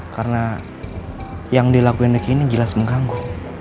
karena yang dilakuin riki ini jelas mengganggu